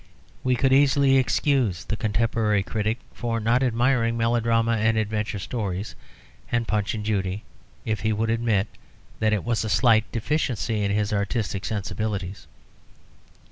We could easily excuse the contemporary critic for not admiring melodramas and adventure stories, and Punch and Judy, if he would admit that it was a slight deficiency in his artistic sensibilities.